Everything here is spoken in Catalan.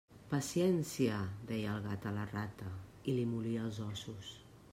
Paciència, deia el gat a la rata, i li molia els ossos.